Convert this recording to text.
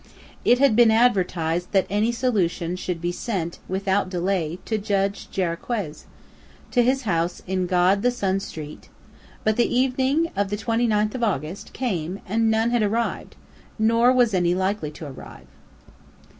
It had been advertised that any solution should be sent, without delay, to Judge Jarriquez, to his house in God the Son Street; but the evening of the 29th of August came and none had arrived, nor was any likely to arrive.